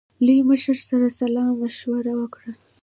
لوی مشر سره سلا مشوره وکړه.